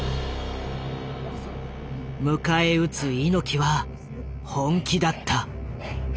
迎え撃つ猪木は本気だった。